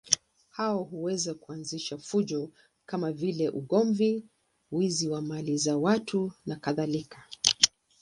Hao huweza kuanzisha fujo kama vile ugomvi, wizi wa mali za watu nakadhalika.